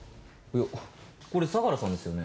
これ相良さんですよね？